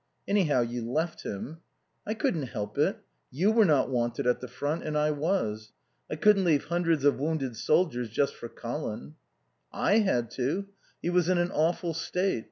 "Anyhow, you left him." "I couldn't help it. You were not wanted at the front and I was. I couldn't leave hundreds of wounded soldiers just for Colin." "I had to. He was in an awful state.